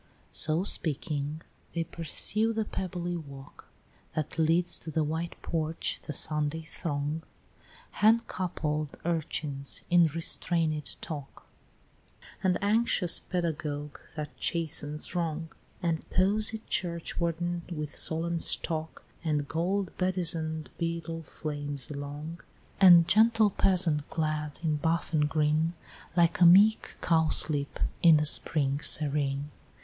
X. So speaking, they pursue the pebbly walk That leads to the white porch the Sunday throng, Hand coupled urchins in restrainëd talk, And anxious pedagogue that chastens wrong, And posied churchwarden with solemn stalk, And gold bedizen'd beadle flames along, And gentle peasant clad in buff and green, Like a meek cowslip in the spring serene; XI.